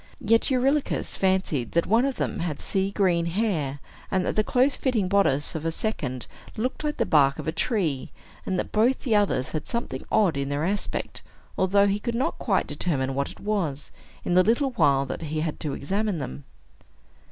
Yet Eurylochus fancied that one of them had sea green hair, and that the close fitting bodice of a second looked like the bark of a tree, and that both the others had something odd in their aspect, although he could not quite determine what it was, in the little while that he had to examine them.